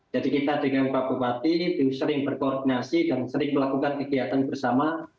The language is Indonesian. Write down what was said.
kita dengan pak bupati sering berkoordinasi dan sering melakukan kegiatan bersama